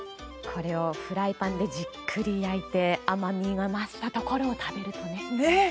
これをフライパンでじっくり焼いて甘みが増したところを食べると。